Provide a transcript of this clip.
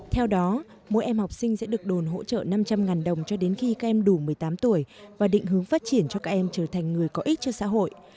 theo đó mỗi em học sinh sẽ được đồn hỗ trợ năm trăm linh đồng cho đến khi các em đủ một mươi tám tuổi và định hướng phát triển cho các em trở thành người có ích cho xã hội